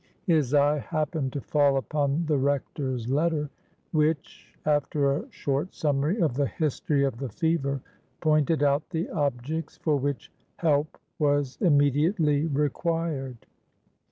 His eye happened to fall upon the Rector's letter, which, after a short summary of the history of the fever, pointed out the objects for which help was immediately required.